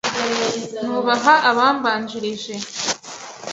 Nubaha abambanjirije.